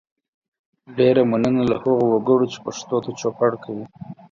ډیره مننه له هغو وګړو چې پښتو ته چوپړ کوي